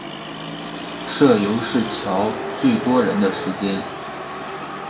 社游是乔最多人的时间